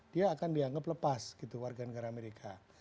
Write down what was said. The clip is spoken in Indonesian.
dia akan dianggap lepas gitu warganegara amerika